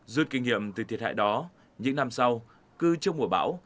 rút kinh nghiệm từ thiệt hại đó những năm sau cứ trước mùa bão